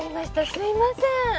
すいません。